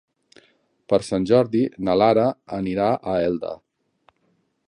Per Sant Jordi na Lara anirà a Elda.